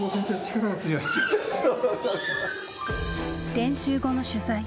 練習後の取材。